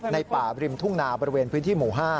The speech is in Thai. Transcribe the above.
ในป่าริมทุ่งนาบริเวณพื้นที่หมู่๕